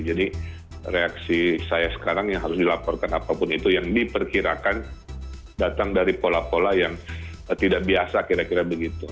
jadi reaksi saya sekarang yang harus dilaporkan apapun itu yang diperkirakan datang dari pola pola yang tidak biasa kira kira begitu